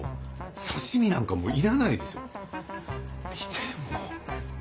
刺身なんかもう要らないでしょ。